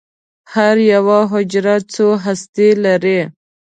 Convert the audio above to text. هره یوه حجره څو هستې لري.